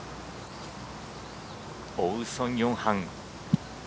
追うソン・ヨンハン。